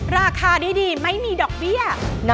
ราคาดีไม่มีดอกเบี้ย